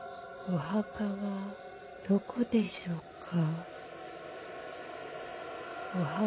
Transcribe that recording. ・お墓はどこでしょうか。